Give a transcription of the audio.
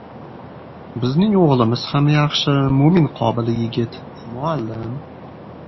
Bizning o‘g‘limiz ham yaxshi, mo‘min-qobil yigit. Muallim...